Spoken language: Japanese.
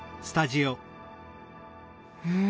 うん。